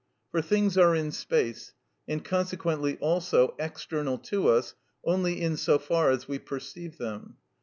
For things are in space, and consequently also external to us only in so far as we perceive them.